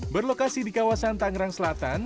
berlokasi di kawasan tangerang selatan